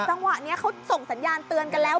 จังหวะนี้เขาส่งสัญญาณเตือนกันแล้ว